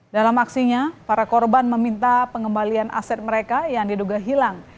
dalam aksinya para korban meminta pengembalian aset mereka yang diduga hilang